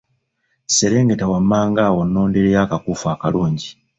Sserengeta wammanga awo onnondereyo akakuufu akalungi.